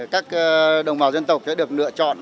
các đồng bào dân tộc sẽ được lựa chọn